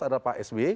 adalah pak sbi